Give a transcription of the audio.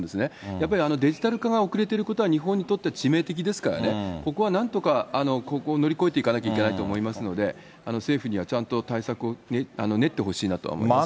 やっぱりデジタル化が遅れていることは、日本にとって致命的ですからね、ここはなんとか、ここを乗り越えていかなきゃいけないと思うので、政府にはちゃんと対策を練ってほしいなとは思いますね。